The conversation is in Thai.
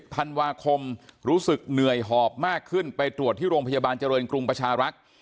ธันวาคมรู้สึกเหนื่อยหอบมากขึ้นไปตรวจที่โรงพยาบาลเจริญกรุงประชารักษ์